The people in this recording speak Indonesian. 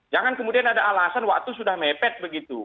jangan kemudian ada alasan waktu sudah mepet begitu